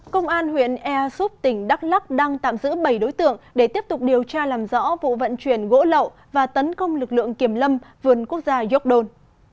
công an huyện ea súp tỉnh đắk lắc đang tạm giữ bảy đối tượng để tiếp tục điều tra làm rõ vụ vận chuyển gỗ lậu và tấn công lực lượng kiểm lâm vườn quốc gia york don